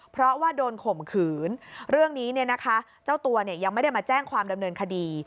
เพราะว่าโดนข่มขืนเรื่องนี้เนี่ยนะคะเจ้าตัวยังไม่ได้มาแจ้งความดำเนินคดี